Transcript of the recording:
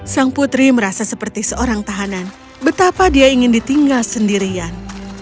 sang putri merasa seperti seorang tahanan betapa dia ingin ditinggal sendirian